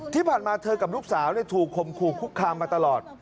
ที่ผ่านมาเธอกับลูกสาวถูกคมขู่คุกคามมาตลอด